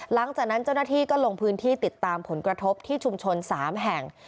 หลังจากนั้นเจ้าหน้าที่ก็ลงพื้นที่ติดตามผลกระทบที่ชุมชน๓แห่ง